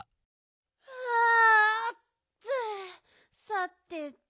さてと。